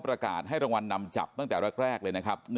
ประกาศให้รางวัลนำจับตั้งแต่แรกเลยนะครับ